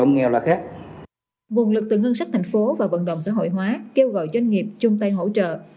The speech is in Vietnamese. nguồn lực từ ngân sách thành phố và vận động xã hội hóa kêu gọi doanh nghiệp chung tay hỗ trợ